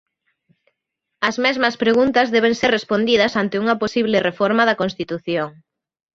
As mesmas preguntas deben ser respondidas ante unha posible reforma da Constitución.